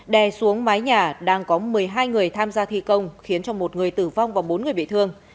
đè xuống mái nhà đang có một mươi hai người tham gia thi công khiến cho một người tử vong và bốn người bị thương